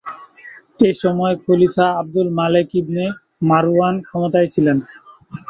এসময় খলিফা Abdul Malik ibn Marwan ক্ষমতায় ছিলেন।